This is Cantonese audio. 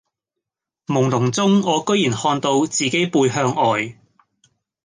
朦朧中我居然看到自己背向外